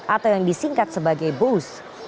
atau yang disingkat sebagai bose